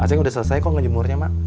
asing udah selesai kok ngejemurnya mak